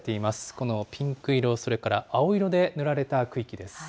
このピンク色、それから青色で塗られた区域です。